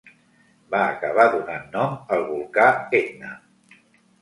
Va acabar donant nom al volcà Etna.